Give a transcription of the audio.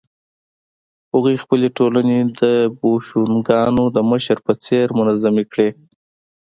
هغوی خپلې ټولنې د بوشونګانو د مشر په څېر منظمې کړې.